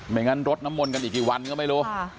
งั้นรดน้ำมนต์กันอีกกี่วันก็ไม่รู้